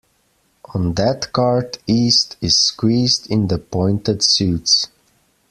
On that card East is squeezed in the pointed suits.